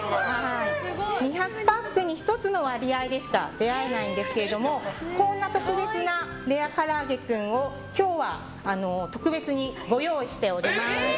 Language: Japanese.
２００パックに１つの割合でしか出会えないんですけれどもこんな特別なレアからあげクンを今日は特別にご用意しております。